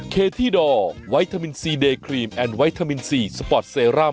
คุณตังคุณตัง